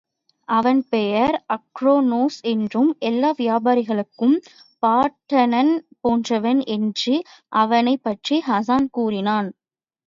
அவன் பெயர் அக்ரோனோஸ் என்றும், எல்லா வியாபாரிகளுக்கும் பாட்டன் போன்றவன் என்றும் அவனைப் பற்றி ஹாஸான் கூறினான்.